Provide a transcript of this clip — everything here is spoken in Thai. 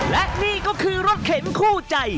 และนี่ก็คือรถเข็นคู่ใจ